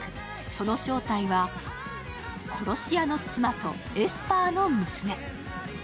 その正体は、殺し屋の妻とエスパーの娘。